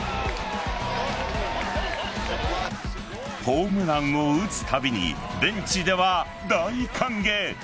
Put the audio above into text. ホームランを打つたびにベンチでは大歓迎。